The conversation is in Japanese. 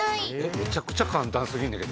むちゃくちゃ簡単過ぎるんやけど。